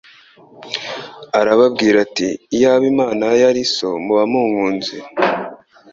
arababwira ati : «Iyaba Imana yari So, muba munkunze,